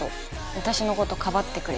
私の事かばってくれて。